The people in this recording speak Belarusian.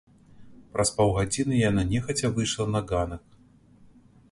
Праз паўгадзіны яна нехаця выйшла на ганак.